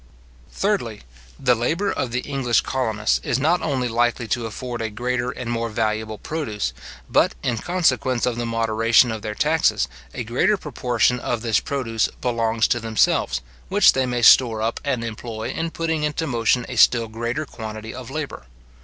Thirdly, The labour of the English colonists is not only likely to afford a greater and more valuable produce, but, in consequence of the moderation of their taxes, a greater proportion of this produce belongs to themselves, which they may store up and employ in putting into motion a still greater quantity of labour.